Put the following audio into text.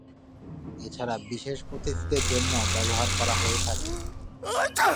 এছাড়া বিশেষ অতিথিদের জন্যেও ব্যবহার করা হয়ে থাকে।